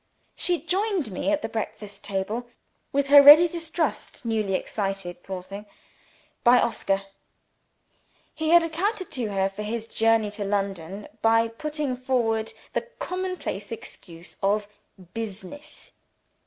She joined me at the breakfast table with her ready distrust newly excited, poor thing, by Oscar. He had accounted to her for his journey to London by putting forward the commonplace excuse of "business."